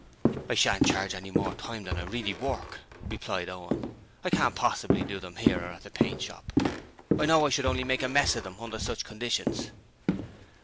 'I shan't charge any more time than I really work,' replied Owen. 'I can't possibly do them here or at the paint shop. I know I should only make a mess of them under such conditions.'